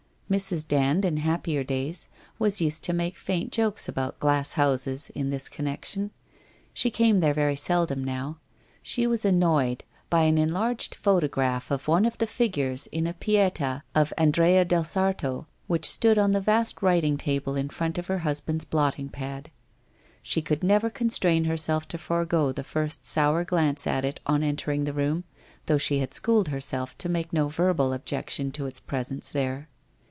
Mrs. Dand, in happier days, was used to make faint jokes about glass houses in this connection. She came there very seldom now. She was annoyed by an enlarged photograph of one of the figures in a Pieta of Andrea del Sarto which stood on the vast writing table in front of her husband's blotting pad. She could never constrain herself to forego the first sour glance at it on entering the room, though she had schooled herself to make no verbal objection to its presence there.